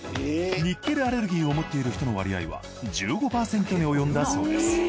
ニッケルアレルギーを持っている人の割合は１５％に及んだそうです。